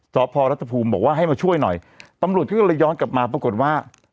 สพรัฐภูมิบอกว่าให้มาช่วยหน่อยตำรวจก็เลยย้อนกลับมาปรากฏว่า